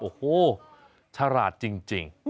โอ้โฮชะลาดจริง